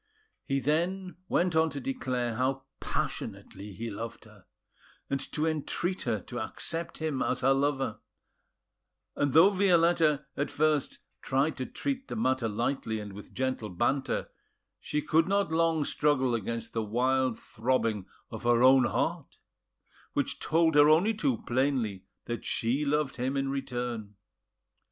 He then went on to declare how passionately he loved her, and to entreat her to accept him as her lover; and though Violetta at first tried to treat the matter lightly and with gentle banter, she could not long struggle against the wild throbbing of her own heart, which told her only too plainly that she loved him in return.